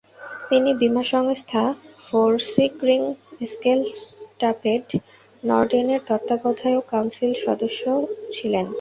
তিনি বীমা সংস্থা ফোরসিক্রিংসেলস্কাপেট নর্ডেনের তত্ত্বাবধায়ক কাউন্সিল সদস্যও ছিলেন।